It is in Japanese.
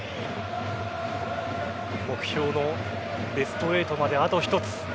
目標のベスト８まであと一つ。